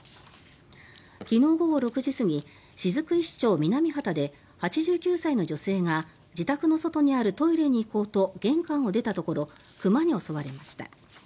昨日午後６時過ぎ、雫石町南畑で８９歳の女性が自宅の外にあるトイレに行こうと玄関を出たところ熊に襲われました。